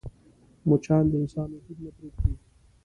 مچان د انسان وجود نه پرېږدي